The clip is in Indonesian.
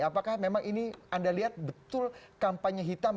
apakah memang ini anda lihat betul kampanye hitam